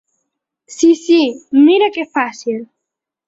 Sí Sí, mira que fàcil!